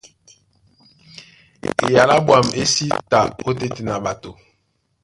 Eyala á ɓwâm é sí ta ótétena ɓato.